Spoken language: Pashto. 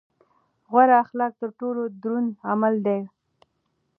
غوره اخلاق تر ټولو دروند عمل دی.